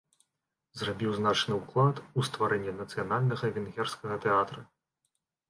Зрабіў значны ўклад у стварэнне нацыянальнага венгерскага тэатра.